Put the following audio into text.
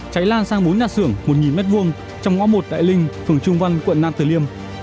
cháy lan sang bốn nhà xưởng một m hai trong ngõ một đại linh phường trung văn quận nam tử liêm